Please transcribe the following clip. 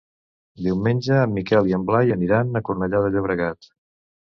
Diumenge en Miquel i en Blai aniran a Cornellà de Llobregat.